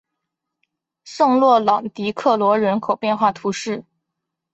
圣洛朗迪克罗人口变化图示